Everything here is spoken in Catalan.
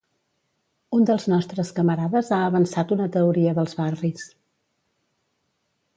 Un dels nostres camarades ha avançat una teoria dels barris.